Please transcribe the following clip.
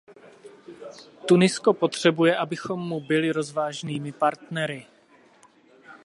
Tunisko potřebuje, abychom mu byli rozvážnými partnery.